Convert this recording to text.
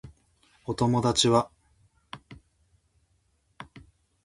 お友達は